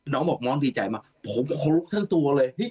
น้องบอกว่าน้องดีใจมากถูกต่างตูมาเลย